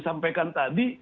sampai kan tadi